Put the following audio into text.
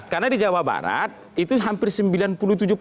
karena di jawa barat itu sampai